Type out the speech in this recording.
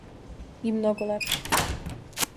И много лепши.